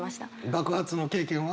爆発の経験は？